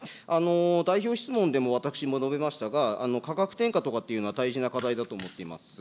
代表質問でも私も述べましたが、価格転嫁とかっていうのは、大事な課題だと思っています。